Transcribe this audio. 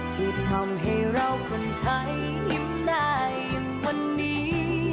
ที่ทำให้เราคนไทยยิ้มได้วันนี้